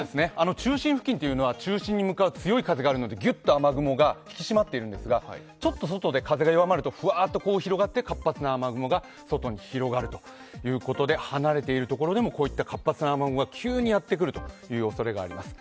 中心付近というのは中心に向かう強い風があるのでギュッと雨雲が引き締まっているんですがちょっと外で風が弱まるとふわーっと広がって活発な雨雲が外に広がるということで離れているところでも、こういった活発な雨雲が急にやってくるおそれがあります。